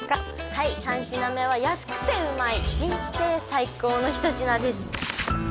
はい三品目は安くてうまい人生最高の一品です